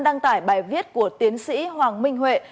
đăng tải bài viết của tiến sĩ hoàng minh huệ